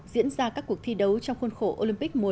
diễn ra các cuộc thi đấu trong khuôn khổ